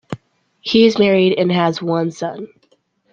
He is married, and has one son.